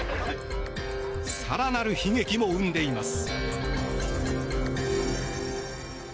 更なる悲劇も生んでいます。